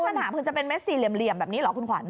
ปัญหาคือจะเป็นเด็ดสี่เหลี่ยมแบบนี้เหรอคุณขวัญ